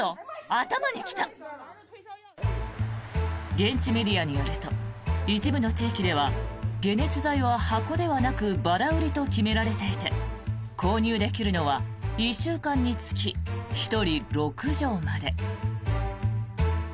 現地メディアによると一部の地域では解熱剤は、箱ではなくばら売りと決められていて購入できるのは１週間につき１人６錠まで。